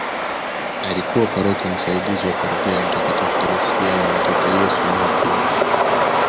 Alikuwa paroko msaidizi wa parokia ya mtakatifu Theresia wa mtoto Yesu Mafia